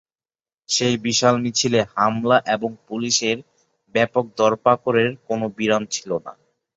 সেই বিশাল মিছিলে হামলা এবং পুলিশের ব্যাপক ধরপাকড়ের কোনো বিরাম ছিল না।